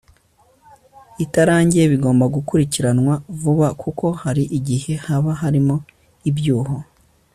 itarangiye bigomba gukurikiranwa vuba kuko hari igihe haba harimo ibyuho